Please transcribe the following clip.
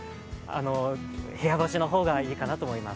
部屋干しの方がいいかなと思います。